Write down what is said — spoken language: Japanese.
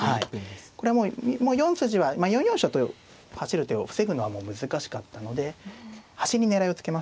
これはもう４筋はまあ４四飛車と走る手を防ぐのはもう難しかったので端に狙いをつけましたね。